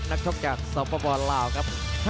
นักชกกับสบลาวครับ